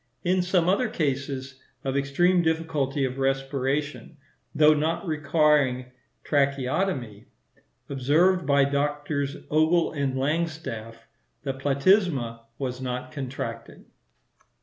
In some other cases of extreme difficulty of respiration, though not requiring tracheotomy, observed by Drs. Ogle and Langstaff, the platysma was not contracted.